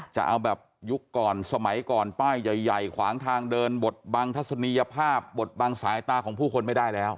จะเอาแบบยุคก่อนสมัยก่อนป้ายใหญ่ขวางทางเดินบทบังทัศนียภาพบทบังสายตาของผู้คนไม่ได้แล้ว